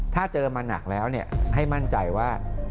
ถ้าเจอมาหนักแล้วให้มั่นใจว่า